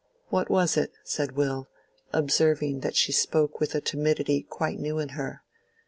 "What was it?" said Will, observing that she spoke with a timidity quite new in her.